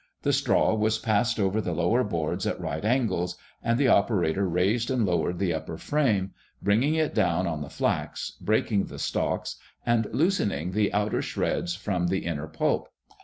The straw was passed over the lower boards at right angles, and the operator raised and lowered the upper frame, bringing it down on the flax, breaking the stalks, and loosening the outer shreds from the inner pulp.